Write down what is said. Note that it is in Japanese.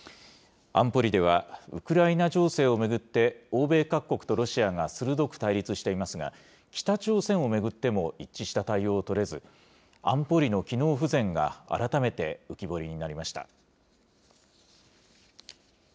安保理ではウクライナ情勢を巡って、欧米各国とロシアが鋭く対立していますが、北朝鮮を巡っても一致した対応を取れず、安保理の機能不全が改めて浮き彫りになりました。